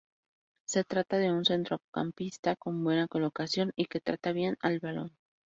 Se trata de un centrocampista con buena colocación y que trata bien el balón.